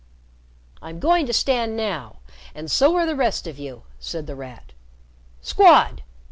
"I'm going to stand now, and so are the rest of you," said The Rat. "Squad!